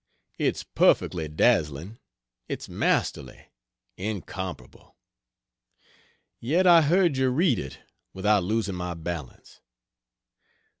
It's perfectly dazzling it's masterly incomparable. Yet I heard you read it without losing my balance.